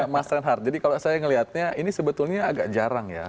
mas reinhardt jadi kalau saya melihatnya ini sebetulnya agak jarang ya